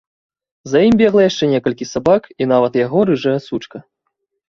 За ім бегла яшчэ некалькі сабак і нават яго рыжая сучка.